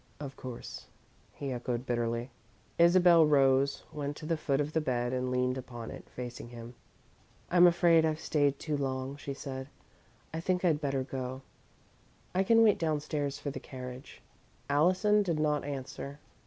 "Of course," he echoed, bitterly. Isabel rose, went to the foot of the bed, and leaned upon it, facing him. "I'm afraid I've stayed too long," she said. "I think I'd better go. I can wait downstairs for the carriage." Allison did not answer.